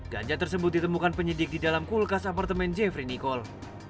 ganja tersebut ditemukan penyidik di dalam kulkas apartemen jeffrey nicole